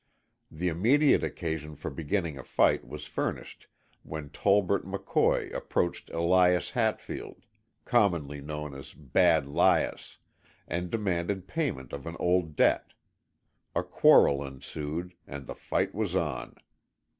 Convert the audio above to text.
The immediate occasion for beginning a fight was furnished when Tolbert McCoy approached Elias Hatfield, commonly known as "Bad Lias," and demanded payment of an old debt. A quarrel ensued and the fight was on.